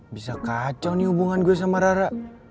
bisa kacau nih hubungan gue sama rara